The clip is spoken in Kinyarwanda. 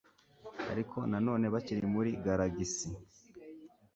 ariko nanone bakiri muri galagisi